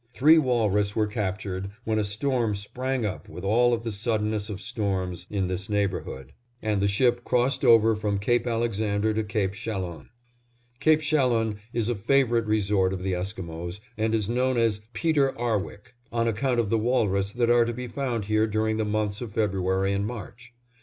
Three walrus were captured, when a storm sprang up with all of the suddenness of storms in this neighborhood, and the ship crossed over from Cape Alexander to Cape Chalon. Cape Chalon is a favorite resort of the Esquimos, and is known as Peter ar wick, on account of the walrus that are to be found here during the months of February and March.